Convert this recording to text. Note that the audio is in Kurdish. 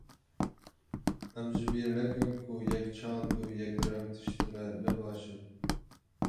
Em ji bîr nekin ku yekçand û yekreng tiştine ne baş in.